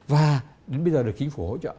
và đến bây giờ được chính phủ hỗ trợ